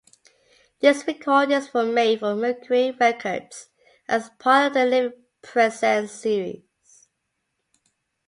These recordings were made for Mercury Records as part of the "Living Presence" series.